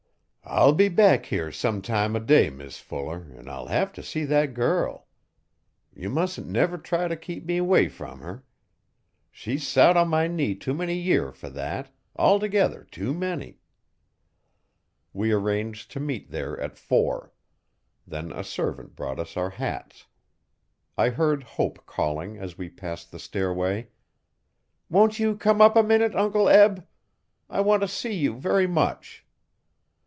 I'll be back here sometime if day Mis Fuller an' I'll hev if see thet girl. Ye musn't never try if keep me 'way from her. She's sot on my knee too many year fer that altogether too many. We arranged to meet there at four. Then a servant brought us our hats. I heard Hope calling as we passed the stairway: 'Won't you come up a minute, Uncle Eb? I want to see you very much.'